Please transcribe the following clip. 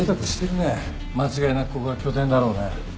間違いなくここが拠点だろうね。